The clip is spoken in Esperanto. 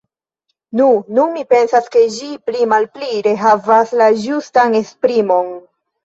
Nu, nun mi pensas, ke ĝi pli-malpi rehavas la ĝustan esprimon!